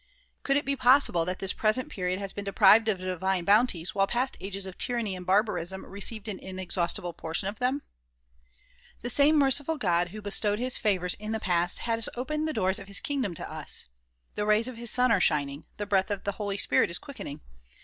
Could it be possible that this present period has been deprived of divine boun ties while past ages of tyranny and barbarism received an inex haustible portion of them ? The same merciful God who bestowed his favors in the past has opened the doors of his kingdom to us. The rays of his sun are shining, the breath of the Holy Spirit is quickening.